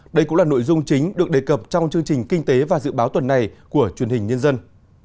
đây cũng là nội dung chính được đề cập trong chương trình kinh tế và dự báo tuần này của truyền hình nhân dân